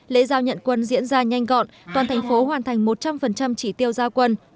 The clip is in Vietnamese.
lễ giao nhận quân diễn ra nhanh gọn toàn thành phố hoàn thành một trăm linh chỉ tiêu giao quân